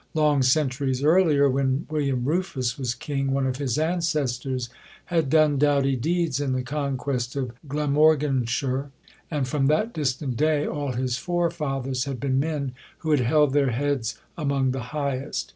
Long centuries earlier, when William Rufus was King, one of his ancestors had done doughty deeds in the conquest of Glamorganshire; and from that distant day all his forefathers had been men who had held their heads among the highest.